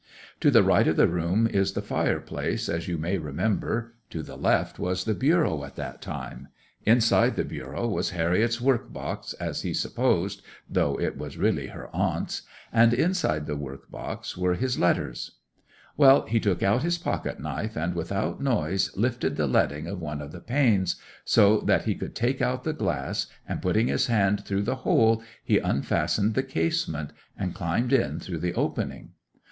To the right of the room is the fireplace, as you may remember; to the left was the bureau at that time; inside the bureau was Harriet's work box, as he supposed (though it was really her aunt's), and inside the work box were his letters. Well, he took out his pocket knife, and without noise lifted the leading of one of the panes, so that he could take out the glass, and putting his hand through the hole he unfastened the casement, and climbed in through the opening.